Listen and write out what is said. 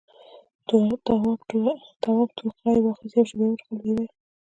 تواب ټوخي واخيست، يوه شېبه يې وټوخل، ويې ويل: